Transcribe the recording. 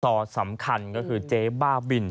ต่อสำคัญก็คือเจ๊บ้าบิน